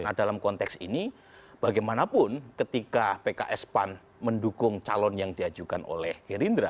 nah dalam konteks ini bagaimanapun ketika pks pan mendukung calon yang diajukan oleh gerindra